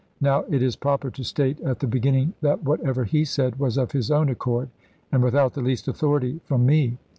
Now it is proper to state at the beginning that whatever he said was of his own accord, and without the least authority from me.